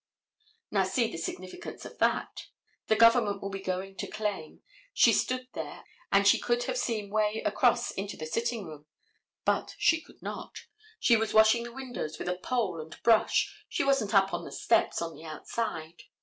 Now, see the significance of that. The government will be going to claim that she stood there and she could have seen way across into the sitting room. But she could not. She was washing the windows with a pole and brush, she wasn't up on the steps on the outside.